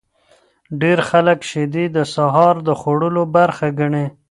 ډیر خلک شیدې د سهار د خوړلو برخه ګڼي.